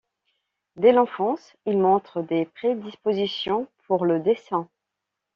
Dès l'enfance, il montre des prédispositions pour le dessin.